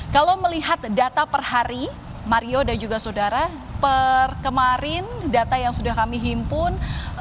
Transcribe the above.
kalau melihat data per hari mario dan juga saudara per kemarin data yang sudah kami himpun